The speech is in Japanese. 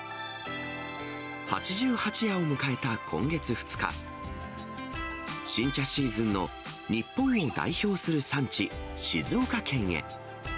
八十八夜を迎えた今月２日、新茶シーズンの日本を代表する産地、静岡県へ。